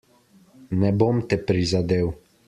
Ne bom te prizadel.